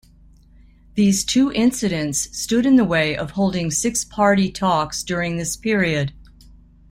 These two incidents stood in the way of holding six-party talks during this period.